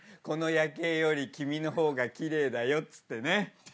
この夜景より君の方が奇麗だよっつってね。